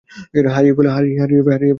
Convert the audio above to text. হারিয়ে ফেলেছ নাকি?